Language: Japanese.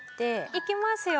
いきますよ。